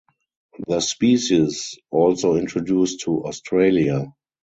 The species also introduced to Australia.